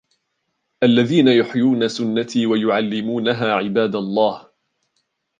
الَّذِينَ يُحْيُونَ سُنَّتِي وَيُعَلِّمُونَهَا عِبَادَ اللَّهِ